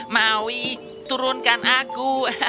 maui turunkan aku